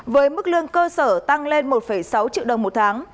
với mức lương cơ sở tăng lên một sáu triệu đồng một tháng